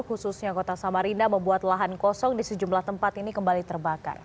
khususnya kota samarinda membuat lahan kosong di sejumlah tempat ini kembali terbakar